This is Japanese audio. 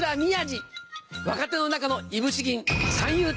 若手の中のいぶし銀。